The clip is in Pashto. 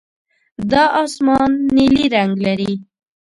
دا اسمان نیلي رنګ لري.